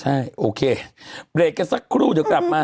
ใช่โอเคเบรกกันสักครู่เดี๋ยวกลับมา